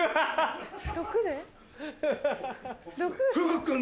毒で？